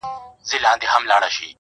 د احمدشاه له جګو غرونو سره لوبي کوي!